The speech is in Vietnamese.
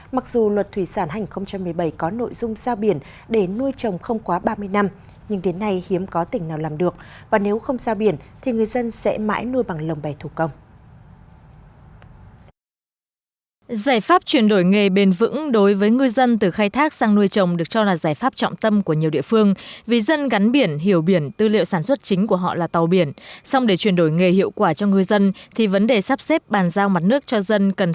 mặc dù luật thủy sản hành một mươi bảy có nội dung giao biển để nuôi chồng không quá ba mươi năm nhưng đến nay hiếm có tỉnh nào làm được và nếu không giao biển thì người dân sẽ mãi nuôi bằng lồng bè thủ công